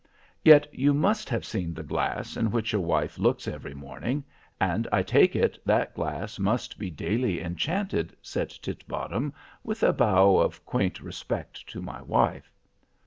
"Yet you must have seen the glass in which your wife looks every morning, and I take it that glass must be daily enchanted." said Titbottom, with a bow of quaint respect to my wife.